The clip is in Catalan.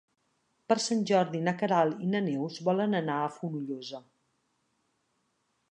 Per Sant Jordi na Queralt i na Neus volen anar a Fonollosa.